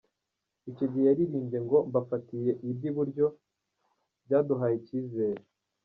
Icyo gihe yaririmbye ngo ‘Mbafatiye iry’uburyo’, byaduhaye icyizere.